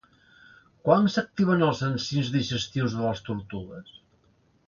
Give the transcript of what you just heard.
Quan s'activen els enzims digestius de les tortugues?